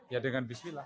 ya dengan bismillah